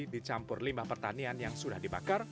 dicampur limbah pertanian yang sudah dibakar